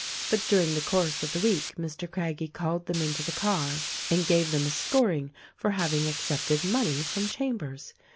But during the course of the week Mr. Craggie called them into the car and gave them a scoring for having accepted money from Chambers.